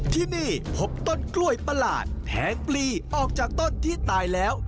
ที่นี่พบต้นกล้วยประหลาดแทงปลีออกจากต้นที่ตายแล้ว